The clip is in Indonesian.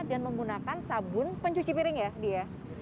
dan menggunakan sabun pencuci piring ya dia